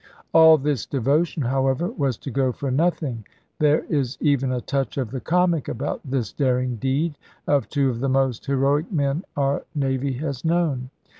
All this devotion, however, was to go for nothing; there is even a touch of the comic about this daring deed of two of the most heroic men our navy has known.